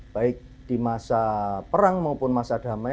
baik di perang maupun di masa damai